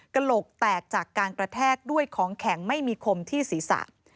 กระโหลกแตกจากการกระแทกด้วยของแข็งไม่มีคมที่ศีรษะ